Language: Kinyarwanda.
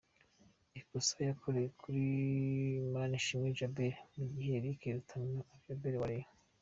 ikosa yakoreye kuri Manishimwe Djabel mu gihe Eric Rutanga Alba wa Rayon